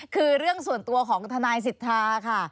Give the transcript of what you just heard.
คือเรื่องส่วนตัวของทนายสิทธาค่ะ